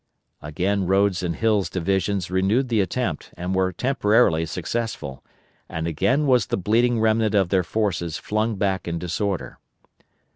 Again Rodes' and Hill's divisions renewed the attempt and were temporarily successful, and again was the bleeding remnant of their forces flung back in disorder.